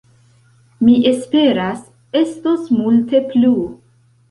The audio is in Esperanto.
Mi esperas, estos multe plu!